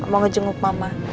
mau ngejenguk mama